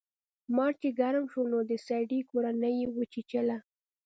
مار چې ګرم شو نو د سړي کورنۍ یې وچیچله.